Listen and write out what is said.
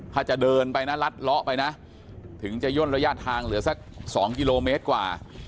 ถ้าจะเดินไปนะรัดเลาะไปนะถึงจะย่นระยะทางเหลือสัก๒กิโลเมตรกว่า